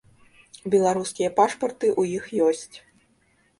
Беларускія пашпарты ў іх ёсць.